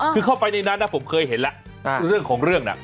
คือเข้าไปในนั้นนะผมเคยเห็นแล้วคือเรื่องของเรื่องน่ะ